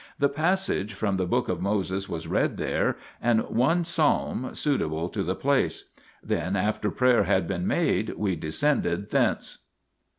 The passage from the book of Moses was read there, and one psalm, suitable to the place. Then, after prayer had been made, we descended thence.